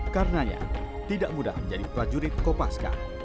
karenanya tidak mudah menjadi prajurit kopaska